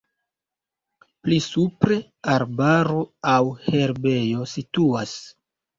Pli supre arbaro aŭ herbejo situas.